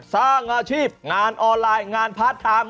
สร้างอาชีพงานออนไลน์งานพาร์ทไทม์